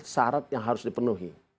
syarat yang harus dipenuhi